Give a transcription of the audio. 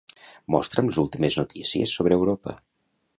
Mostra'm les últimes notícies sobre Europa.